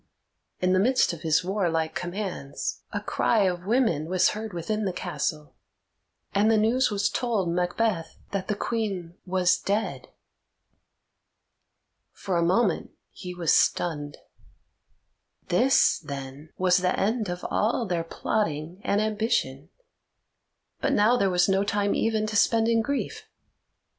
In the midst of his warlike commands, a cry of women was heard within the castle, and the news was told Macbeth that the Queen was dead. For a moment he was stunned. This, then, was the end of all their plotting and ambition! But now there was no time even to spend in grief.